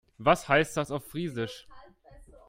Was heißt das auf Friesisch?